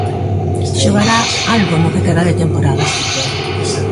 Xogará algo no que queda de temporada.